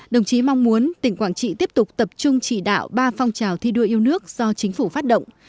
đồng chí mong muốn tỉnh quảng trị tiếp tục tập trung chỉ đạo ba phong trào thi đua yêu nước do chính phủ phát động